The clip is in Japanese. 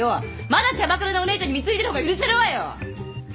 まだキャバクラのお姉ちゃんに貢いでいる方が許せるわよ。